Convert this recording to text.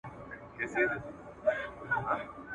د خپل هنر او ضمناً د عقل کمال وښيي `